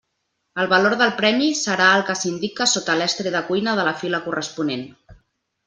El valor del premi serà el que s'indica sota l'estri de cuina de la fila corresponent.